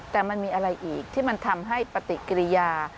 แต่มันมีอะไรอีกที่มันทำให้ปฏิกิริยา